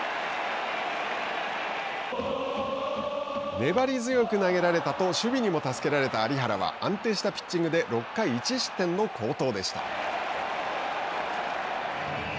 粘り強く投げられたと守備にも助けられた有原は安定したピッチングで６回１失点の好投でした。